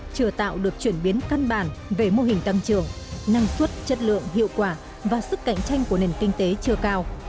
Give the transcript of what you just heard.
chưa tạo được chuyển biến căn bản về mô hình tăng trưởng năng suất chất lượng hiệu quả và sức cạnh tranh của nền kinh tế chưa cao